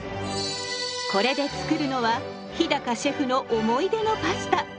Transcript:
これで作るのは日シェフの思い出のパスタ。